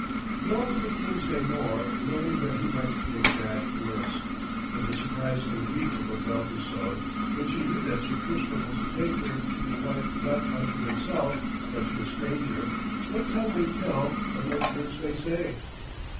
Nor would the king say more, knowing that he might make bad worse. But the surprise and grief of La Belle Isoude, when she knew that Sir Tristram was to take her to be wife not unto himself but to a stranger, what tongue may tell and what words may say?